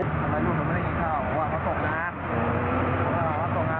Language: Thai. ทำไมลูกยังไม่ได้กินข้าวเขาบอกว่าเขาตกร้าน